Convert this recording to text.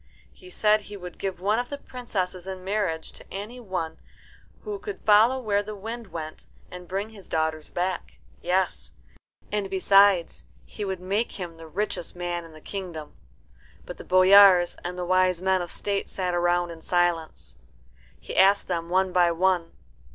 He said he would give one of the princesses in marriage to any one who could follow where the wind went and bring his daughters back; yes, and besides, he would make him the richest man in the kingdom. But the boyars and the wise men of state sat round in silence. He asked them one by one.